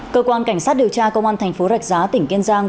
cơ quan cảnh sát điều tra công an thành phố rạch giá tỉnh kiên giang